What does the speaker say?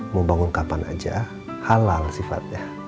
mau bangun kapan aja halal sifatnya